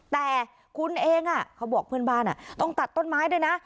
แต่คุณเองเขาบอกเพื่อนบ้านต้องตัดต้นไม้ด้วยนะ